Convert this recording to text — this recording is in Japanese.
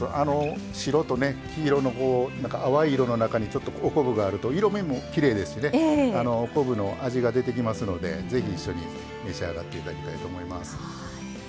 白と黄色の淡い色の中にちょっとお昆布があると色みもきれいですしね昆布の味が出てきますのでぜひ一緒に召し上がっていただきたいと思います。